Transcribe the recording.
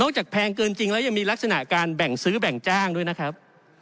จากแพงเกินจริงแล้วยังมีลักษณะการแบ่งซื้อแบ่งจ้างด้วยนะครับ